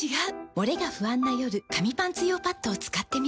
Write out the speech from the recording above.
モレが不安な夜紙パンツ用パッドを使ってみた。